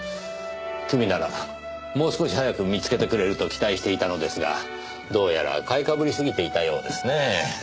君ならもう少し早く見つけてくれると期待していたのですがどうやら買い被りすぎていたようですねぇ。